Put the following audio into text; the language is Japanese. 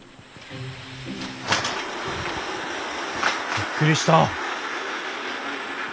びっくりした。